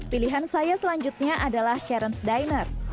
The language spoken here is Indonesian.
pilihan saya selanjutnya adalah karen's diner